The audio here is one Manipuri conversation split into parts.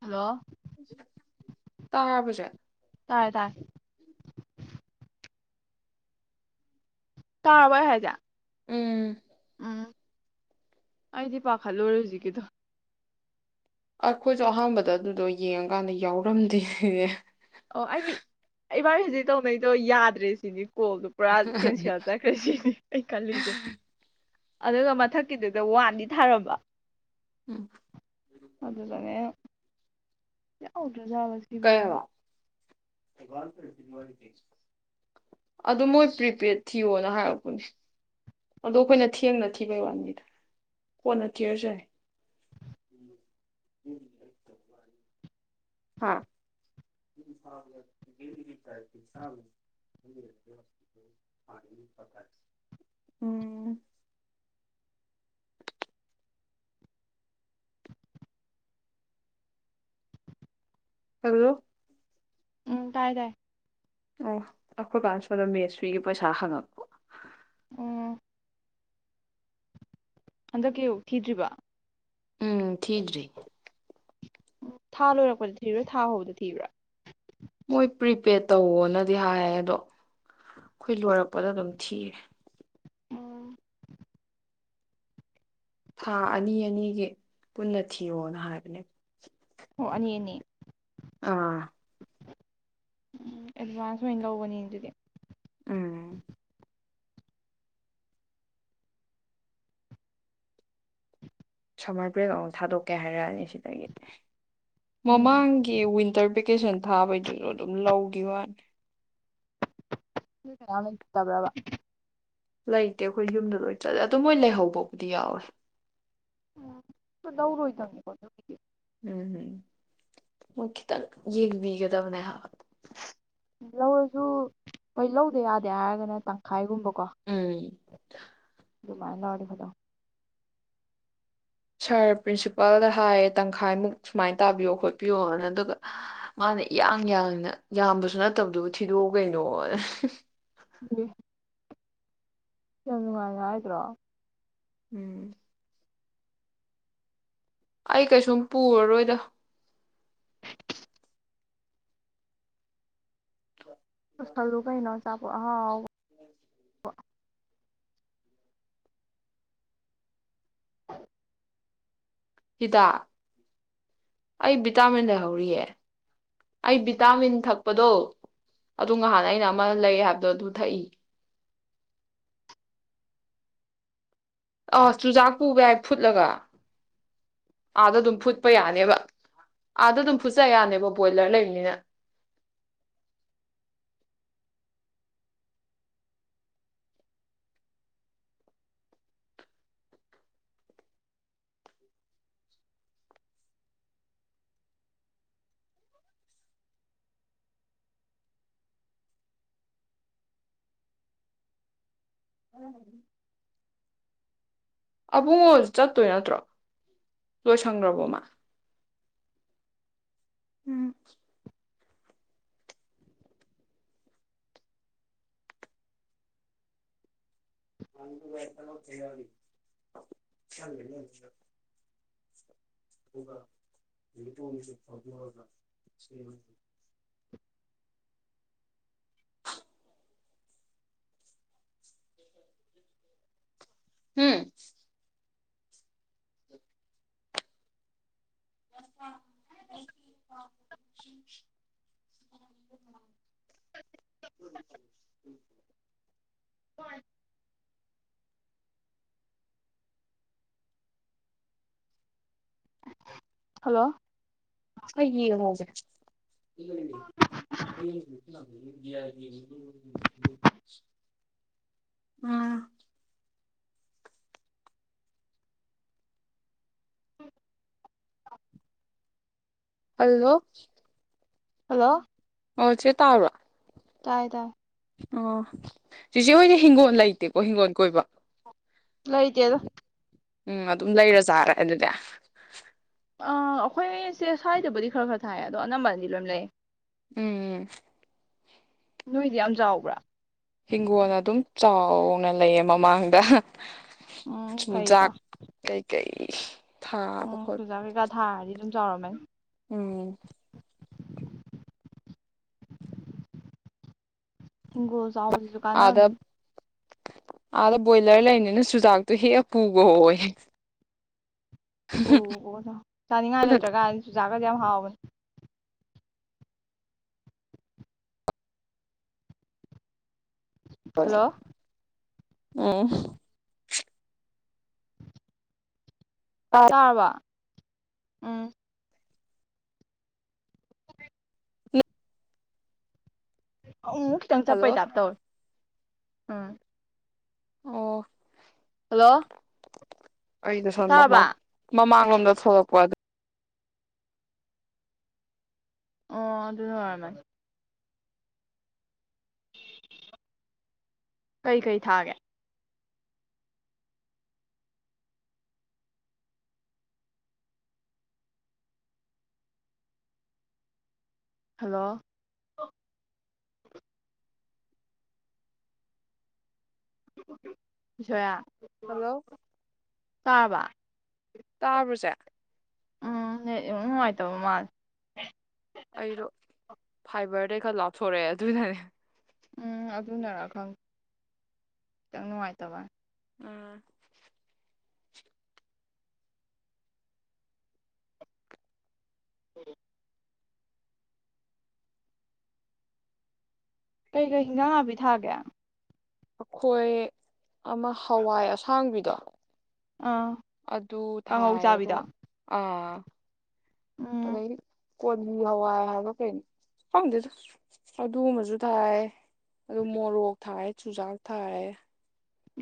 ꯍꯜꯂꯣ ꯇꯥꯕ꯭ꯔꯣ ꯆꯦ ꯇꯥꯏ ꯇꯥꯏ ꯇꯥꯔꯕꯣ ꯑꯩ ꯍꯥꯏꯖꯦ ꯎꯝ ꯑꯩꯗꯤ ꯄꯥꯈꯠꯂꯨꯔꯦ ꯍꯧꯖꯤꯛꯀꯤꯗꯣ ꯑꯩꯈꯣꯏꯁꯨ ꯑꯍꯥꯟꯕꯗ ꯑꯗꯨꯗꯣ ꯌꯦꯡꯉꯀꯥꯟꯗ ꯌꯥꯎꯔꯝꯗꯦꯌꯦ ꯑꯣ ꯑꯩꯗꯤ ꯏꯕꯥꯅꯤ ꯍꯧꯖꯤꯛ ꯇꯧꯅꯩꯗꯣ ꯌꯥꯗ꯭ꯔꯦ ꯁꯤꯅꯤ ꯀꯣꯜꯗꯣ ꯄꯨꯔꯥ ꯀꯦꯟꯁꯦꯜ ꯆꯠꯈ꯭ꯔꯦ ꯁꯤꯅꯤ ꯑꯩ ꯈꯜꯂꯤꯁꯦ ꯑꯗꯨꯒ ꯃꯊꯛꯀꯤꯗꯨꯗ ꯋꯥꯟꯗꯤ ꯊꯥꯔꯝꯕ ꯎꯝ ꯑꯗꯨꯗꯅꯦ ꯑꯩꯅ ꯑꯧ ꯔꯖꯥꯁꯤꯕꯨ [unintelligible] ꯀꯩꯕ ꯑꯗꯨ ꯃꯣꯏ ꯄ꯭ꯔꯤꯄꯦꯗ ꯊꯤꯌꯣꯅ ꯍꯥꯏꯔꯛꯄꯅꯦ ꯑꯗꯣ ꯑꯩꯈꯣꯏꯅ ꯊꯦꯡꯅ ꯊꯤꯕꯩ ꯋꯥꯅꯤꯗ ꯀꯣꯟꯅ ꯊꯤꯔꯁꯨ ꯌꯥꯏ ꯍꯥ [unintelligible] ꯎꯝ ꯍꯜꯂꯣ ꯎꯝ ꯇꯥꯏ ꯇꯥꯏ ꯑꯈꯣꯏ ꯕꯥꯅ ꯁꯣꯝꯗ ꯃꯦꯁꯐꯔꯤꯒꯤ ꯄꯩꯁꯥ ꯍꯪꯉꯛꯄ ꯎꯝ ꯍꯟꯗꯛꯀꯤ ꯊꯤꯗ꯭ꯔꯤꯕꯣ ꯎꯝ ꯊꯤꯗ꯭ꯔꯤ ꯊꯥ ꯂꯣꯏꯔꯛꯄꯗ ꯊꯤꯕ꯭ꯔꯥ ꯊꯥ ꯍꯧꯕꯗ ꯊꯤꯕ꯭ꯔꯥ ꯃꯣꯏ ꯄ꯭ꯔꯤꯄꯦꯗ ꯇꯧꯋꯣꯅꯗꯤ ꯍꯥꯏꯌꯦ ꯑꯗꯣ ꯑꯩꯈꯣꯏ ꯂꯣꯏꯔꯛꯄꯗ ꯑꯗꯨꯝ ꯊꯤꯔꯦ ꯎꯝ ꯊꯥ ꯑꯅꯤ ꯑꯅꯤꯒꯤ ꯄꯨꯟꯅ ꯊꯤꯌꯣꯅ ꯍꯥꯏꯕꯅꯦꯕ ꯑꯣ ꯑꯅꯤ ꯑꯅꯤ ꯑꯥ ꯎꯝ ꯑꯦꯗꯚꯥꯟꯁ ꯑꯣꯏꯅ ꯂꯧꯕꯅꯤꯅꯦ ꯑꯗꯨꯗꯤ ꯎꯝ ꯁꯝꯃꯔ ꯕꯔꯦꯛ ꯑꯃꯨꯛ ꯊꯥꯗꯣꯛꯀꯦ ꯍꯥꯏꯔꯛꯑꯅꯤ ꯁꯤ ꯎꯝ ꯃꯃꯥꯡꯒꯤ ꯋꯤꯟꯇꯔ ꯕꯦꯀꯦꯁꯟ ꯊꯥꯕꯩꯗꯨꯁꯨ ꯑꯗꯨꯝ ꯂꯧꯒꯤꯕ ꯋꯥꯅꯤ ꯅꯣꯏ ꯀꯅꯥꯝ ꯂꯩꯇꯕ꯭ꯔꯥꯕꯥ ꯂꯩꯇꯦ ꯑꯩꯈꯣꯏ ꯌꯨꯝꯗ ꯂꯣꯏ ꯆꯠꯂꯦ ꯑꯗꯨ ꯃꯣꯏ ꯂꯩꯍꯧꯕꯕꯨꯗꯤ ꯌꯥꯎꯋꯦ ꯎꯝ ꯂꯧꯔꯣꯏꯗꯝꯅꯤꯀꯣ ꯑꯗꯨꯒꯤꯗꯤ ꯎꯝꯍꯝ ꯃꯣꯏ ꯈꯤꯇꯪ ꯌꯦꯡꯕꯤꯒꯗꯕꯅꯦ ꯍꯥꯏꯕ ꯂꯧꯔꯁꯨ ꯍꯣꯏ ꯂꯧꯗ ꯌꯥꯗꯦ ꯍꯥꯏꯔꯒꯅ ꯇꯪꯈꯥꯏꯒꯨꯝꯕ ꯎꯝ ꯑꯗꯨꯃꯥꯏꯅ ꯂꯧꯔꯗꯤ ꯐꯗꯧꯅꯦ ꯁꯥꯔ ꯄ꯭ꯔꯤꯟꯁꯤꯄꯥꯜꯗ ꯍꯥꯏꯌꯦ ꯇꯪꯈꯥꯏꯃꯨꯛ ꯁꯨꯃꯥꯏꯅ ꯇꯥꯕꯤꯌꯣ ꯈꯣꯠꯄꯤꯌꯣꯅ ꯑꯗꯨꯒ ꯃꯥꯅ ꯏꯌꯥꯡ ꯌꯥꯡꯅ ꯌꯥꯝꯕꯁꯨ ꯅꯠꯇꯕꯗꯨꯕꯨ ꯊꯤꯗꯣꯛꯑꯣ ꯀꯩꯅꯣꯅ ꯍꯨ ꯍꯨ ꯎꯝ ꯌꯥꯝ ꯅꯨꯡꯉꯥꯏꯅ ꯍꯥꯏꯗ꯭ꯔꯣ ꯎꯝ ꯑꯩ ꯀꯩꯁꯨꯝ ꯄꯨꯔꯔꯣꯏꯗ ꯄꯨꯁꯜꯂꯨ ꯀꯩꯅꯣ ꯑꯆꯥ ꯑꯣ ꯑꯉꯥꯎꯕ ꯎꯝ ꯍꯤꯗꯥꯛ ꯑꯩ ꯚꯤꯇꯥꯃꯤꯟ ꯂꯩꯍꯧꯔꯤꯌꯦ ꯑꯩ ꯚꯤꯇꯥꯃꯤꯟ ꯊꯛꯄꯗꯣ ꯑꯗꯨ ꯉꯍꯥꯟ ꯑꯩꯅ ꯑꯃ ꯂꯩ ꯍꯥꯏꯕꯗꯣ ꯑꯗꯨ ꯊꯛꯏ ꯑ ꯆꯨꯖꯥꯛ ꯄꯨꯕ ꯌꯥꯏ ꯐꯨꯠꯂꯒ ꯑꯥꯗ ꯑꯗꯨꯝ ꯐꯨꯠꯄ ꯌꯥꯅꯦꯕ ꯑꯥꯗ ꯑꯗꯨꯝ ꯐꯨꯠꯆ ꯌꯥꯅꯦꯕ ꯕꯣꯏꯂꯔ ꯂꯩꯕꯅꯤꯅ ꯎꯝ ꯑꯕꯨꯡꯉꯣꯁꯨ ꯆꯠꯇꯣꯏ ꯅꯠꯇ꯭ꯔꯣ ꯂꯣꯏꯁꯪꯈ꯭ꯔꯕꯣ ꯃꯥ ꯎꯝ [unintelligible] ꯍꯨꯝ [unintelligible] [unintelligible] [unintelligible] ꯍꯜꯂꯣ [unintelligible] ꯎꯝ ꯍꯜꯂꯣ ꯍꯜꯂꯣ ꯑꯣ ꯆꯦ ꯇꯥꯕꯔꯣ ꯇꯥꯏ ꯇꯥꯏ ꯑꯣ ꯆꯤꯆꯦ ꯍꯣꯏꯗꯤ ꯍꯤꯡꯒꯣꯜ ꯂꯩꯇꯦꯀꯣ ꯍꯤꯡꯒꯣꯜ ꯀꯣꯏꯕ ꯂꯩꯇꯦꯗ ꯎꯝ ꯑꯗꯨꯝ ꯂꯩꯔ ꯆꯥꯔꯦ ꯑꯗꯨꯗꯤ ꯑ ꯑꯩꯈꯣꯏꯁꯦ ꯁꯥꯏꯖꯗꯕꯨꯗꯤ ꯈꯔ ꯈꯔ ꯊꯥꯏ ꯑꯗꯣ ꯑꯅꯝꯕꯅꯗꯤ ꯂꯣꯢꯝ ꯂꯩ ꯎꯝ ꯎꯝ ꯅꯣꯏꯗꯤ ꯌꯥꯝ ꯆꯥꯎꯕ꯭ꯔꯥ ꯍꯤꯡꯒꯣꯜ ꯑꯗꯨꯝ ꯆꯥꯎ ꯅ ꯂꯩꯌꯦ ꯃꯃꯥꯡꯗ ꯎꯝ ꯐꯩꯀꯣ ꯆꯨꯖꯥꯛ ꯀꯩ ꯀꯩ ꯎꯝ ꯆꯨꯖꯥꯛ ꯀꯩꯀꯥ ꯊꯥꯔꯗꯤ ꯑꯗꯨꯝ ꯖꯧꯔꯝꯃꯅꯤ ꯎꯝ ꯍꯒꯣꯜ ꯆꯥꯎꯕꯁꯤꯁꯨ ꯑꯥꯗ ꯀꯥꯟꯅꯕꯅꯤ ꯑꯥꯗ ꯕꯣꯏꯂꯔ ꯂꯩꯅꯤꯅ ꯆꯨꯖꯥꯛꯇꯣ ꯍꯦꯛ ꯄꯨꯒꯣꯌꯦ ꯑꯣ ꯑꯣ ꯆꯥꯅꯤꯡꯉꯥꯏ ꯂꯩꯇ꯭ꯔ ꯀꯥꯟ ꯆꯨ ꯖꯨꯖꯥꯛ ꯀꯖꯦ ꯌꯥꯝ ꯍꯥꯎꯕꯅꯦ ꯍꯜꯂꯣ ꯎꯝ ꯇꯥꯔꯕ꯭ꯔ ꯎꯝ ꯑꯃꯨꯛ ꯑꯃꯨꯛ ꯇꯪ ꯆꯠꯄꯩ ꯍꯜꯂꯣ ꯇꯥꯞ ꯇꯧꯋꯦ ꯎꯝ ꯑꯣ ꯂꯣ ꯑꯩꯗꯣ ꯁꯣꯝꯗ ꯃꯥꯝ ꯃꯃꯥꯝ ꯌꯣꯟꯕ ꯊꯣꯛꯂꯛꯄ ꯑꯗꯨ ꯑꯣ ꯑꯗꯨꯅ ꯑꯣꯏꯔꯝꯃꯅꯤ ꯀꯩ ꯀꯩ ꯊꯥꯒꯦ ꯍꯜꯂꯣ ꯖꯌꯥ ꯍꯜꯂꯣ ꯇꯥꯔꯕ ꯇꯥꯕ꯭ꯔꯁꯦ ꯎꯝ ꯅꯦꯠ ꯏꯅꯨꯡ ꯅꯨꯡꯉꯥꯏ ꯇꯕ ꯃꯥꯜꯂꯦ ꯑꯩꯗꯣ ꯐꯥꯏꯕꯔꯗꯩ ꯈꯔ ꯂꯥꯞꯊꯣꯔꯛꯑꯦ ꯑꯗꯨꯅꯅꯦ ꯎꯝ ꯑꯗꯨꯅꯔ ꯈꯪ ꯈꯤꯇꯪ ꯅꯨꯡꯉꯥꯏꯇꯕꯥ ꯑꯥ [inaudible] ꯀꯩꯀꯩ ꯍꯤꯟꯖꯥꯡ ꯅꯥꯄꯤ ꯊꯥꯔꯒꯦ ꯑꯈꯣꯏ ꯑꯃ ꯍꯋꯥꯏ ꯑꯁꯥꯡꯕꯤ ꯗ ꯑꯥ ꯑꯗꯨ ꯀꯥꯡꯉꯧ ꯊꯥꯏ ꯑꯗꯣ ꯆꯥꯕꯤꯗꯣ ꯑ ꯎꯝ ꯀꯣꯂꯤ ꯍꯋꯥꯏ ꯍꯥꯏꯕ ꯀꯩꯩꯅꯣ ꯈꯪꯗꯦꯗ ꯑꯗꯨꯝꯕꯁꯨ ꯊꯥꯏ ꯑꯗꯨ ꯃꯣꯔꯣꯛ ꯊꯥꯏ ꯆꯨꯖꯥꯛ ꯊꯥꯏ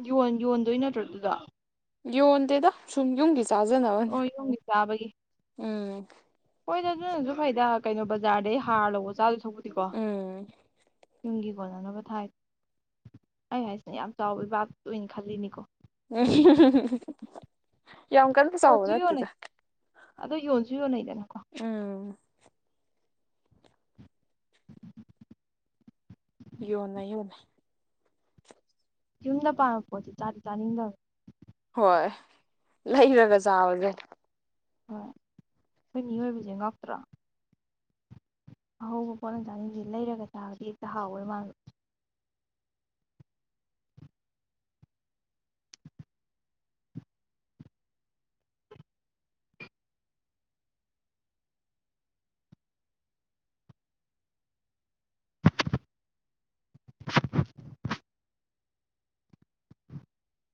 ꯌꯣꯟ ꯌꯣꯟꯗꯣꯏ ꯅꯠꯇ꯭ꯔꯣꯗꯨꯗꯣ ꯌꯣꯟꯗꯦꯗ ꯁꯨꯝ ꯌꯨꯝꯒꯤ ꯆꯥꯖꯅꯕꯅꯦ ꯑꯣꯏ ꯌꯨꯝꯒꯤ ꯆꯥꯕꯒꯤ ꯎꯝ ꯍꯣꯏꯗ ꯑꯗꯨꯅꯁꯨ ꯐꯩꯗ ꯀꯩꯅꯣ ꯕꯖꯥꯔꯗꯩ ꯍꯥꯔ ꯂꯧꯕ ꯆꯥ ꯇꯧꯕꯗꯤꯀꯣ ꯎꯝ ꯌꯨꯝꯒꯤ ꯀꯣꯟꯅꯅꯕ ꯊꯥꯏ ꯑꯩ ꯍꯥꯏꯁꯤꯅ ꯌꯥꯝ ꯆꯥꯎꯕ ꯚꯥꯕ ꯑꯣꯏꯅ ꯈꯜꯂꯤꯅꯤꯀꯣ ꯍ ꯍ ꯍ ꯍ ꯌꯥꯝ ꯀꯟꯅ ꯆꯥꯎꯕ ꯌꯣꯟꯁꯨ ꯌꯣꯟꯅꯩ ꯅꯠꯇꯦꯗ ꯑꯗꯣ ꯌꯣꯟꯁꯨ ꯌꯣꯟꯅꯩꯗꯅꯀꯣ ꯎ-ꯎ ꯌꯣꯟꯅꯩ ꯌꯣꯟꯅꯩ ꯌꯨꯝꯗ ꯄꯥꯕꯄꯣꯠꯇꯤ ꯆꯥꯗꯤ ꯆꯥꯅꯤꯡꯗꯝꯅꯦ ꯍꯣꯏ ꯂꯩꯔꯒ ꯆꯥꯕꯖꯦ ꯍꯣꯏ ꯑꯩꯈꯣꯏ ꯃꯤꯑꯣꯏꯕꯁꯦ ꯉꯥꯛꯇ꯭ꯔꯣ ꯑꯍꯧꯕ ꯄꯣꯠꯂꯝ ꯆꯥꯅꯤꯡꯗꯦ ꯂꯩꯔꯒ ꯇꯥꯔꯗꯤ ꯍꯦꯛꯇ ꯍꯥꯎꯋꯦ ꯃꯥꯟꯕ [inaudible]